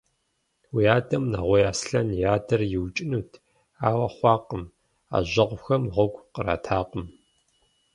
Уи адэм Нэгъуей Аслъэн и адэр иукӀынут, ауэ хъуакъым, Ӏэжьэгъухэм гъуэгу къратакъым.